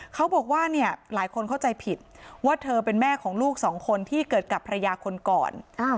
เขาบอกว่าเนี่ยหลายคนเข้าใจผิดว่าเธอเป็นแม่ของลูกสองคนที่เกิดกับภรรยาคนก่อน